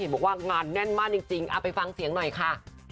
บอกว่างานแน่นมากจริงเอาไปฟังเสียงหน่อยค่ะ